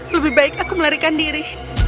lebih baik aku melarikan diri